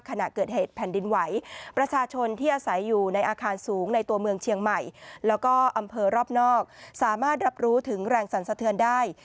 ขณะเกิดเหตุแผ่นดินไหวประชาชนที่อาศัยอยู่ในอาคารสูงในตัวเมืองเชียงใหม่แล้วก็อำเภอรอบนอกสามารถรับรู้ถึงแรงสรรสะเทือนได้